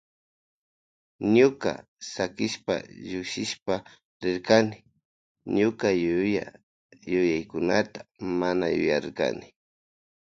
Ñukata sakishpa llukshishpa rirkanki ñuka yuya yuyaykunata mana yuyarirkanki.